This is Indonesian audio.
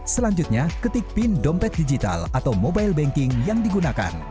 selanjutnya ketik pin dompet digital atau mobile banking yang digunakan